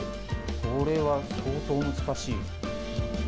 これは相当難しい。